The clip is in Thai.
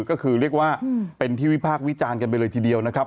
ก็คือเรียกว่าเป็นที่วิพากษ์วิจารณ์กันไปเลยทีเดียวนะครับ